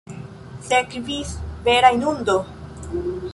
Sekvis vera inundo.